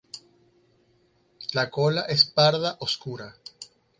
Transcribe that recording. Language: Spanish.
La cola es parda oscura.